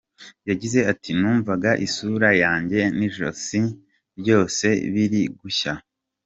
Yagize ati “Numvaga isura yanjye n’ijosi ryose biri gushya.